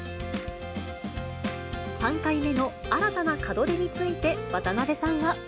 ３回目の新たな門出について、渡辺さんは。